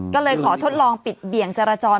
ก็เลยขอทดลองปิดเบี่ยงจรจร